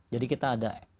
jadi kita ada